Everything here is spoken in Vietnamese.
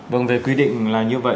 vâng về quy định là như vậy